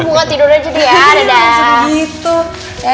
buka tidur aja deh ya